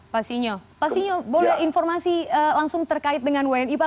pak sinyo pak sinyo boleh informasi langsung terkait dengan wni pak